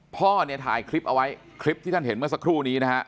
พ่อเนี่ยถ่ายคลิปเอาไว้คลิปที่ท่านเห็นเมื่อสักครู่นี้นะฮะ